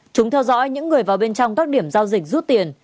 chúng theo dõi những người vào bên trong các điểm giao dịch rút tiền